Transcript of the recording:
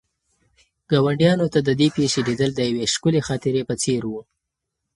ګاونډیانو ته د دې پېښې لیدل د یوې ښکلې خاطرې په څېر وو.